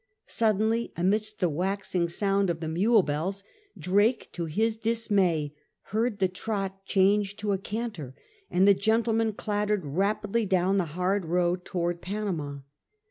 Suddenly amidst the waxing sound of the mule bells Drake to his dismay heard the trot change to a canter, and the gentle man clattered rapidly down the hard road towards Panama.